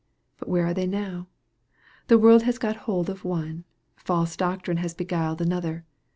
But where are they now ? The world has got hold of one. False doctrine has beguiled another.